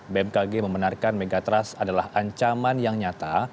bmkg membenarkan megatrust adalah ancaman yang nyata